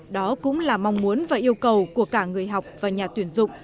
đó cũng là mong muốn và yêu cầu của cả người học và nhà tuyển dụng